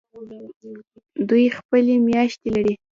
دوی خپلې میاشتې لري.